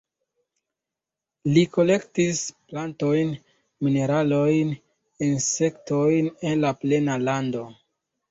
Li kolektis plantojn, mineralojn, insektojn en la plena lando.